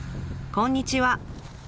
こんにちは。